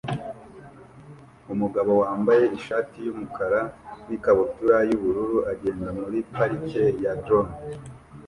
Umugabo wambaye ishati yumukara nikabutura yubururu agenda muri Parike ya Droney